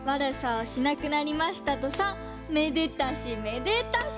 めでたしめでたし。